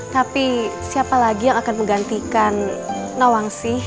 tapi siapa lagi yang akan menggantikan nawang sih